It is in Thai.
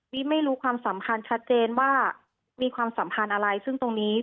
ไม่รู้ความสำคัญชัดเจนว่ามีความสัมพันธ์อะไรซึ่งตรงนี้